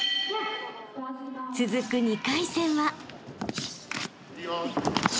［続く２回戦は］